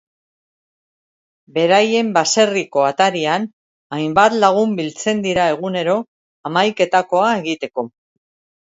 Beraien baserriko atarian hainbat lagun biltzen dira egunero hamaiketakoa egiteko.